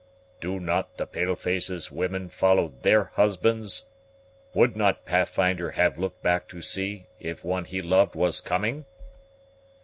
"Do not the pale faces' women follow their husbands? Would not Pathfinder have looked back to see if one he loved was coming?"